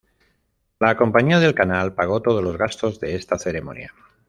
La compañía del canal pagó todos los gastos de esta ceremonia.